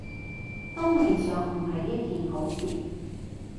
都未嘗唔係一件好事